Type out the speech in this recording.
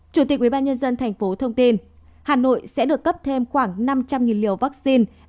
chủ tịch ubnd tp thông tin hà nội sẽ được cấp thêm khoảng năm trăm linh liều vaccine